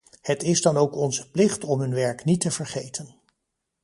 Het is dan ook onze plicht om hun werk niet te vergeten.